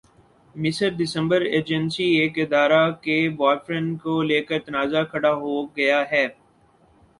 مصر دسمبرایجنسی ایک اداکارہ کے بوائے فرینڈ کو لیکر تنازعہ کھڑا ہو گیا ہے